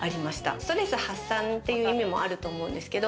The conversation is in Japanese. ストレス発散という意味もあると思うんですけど。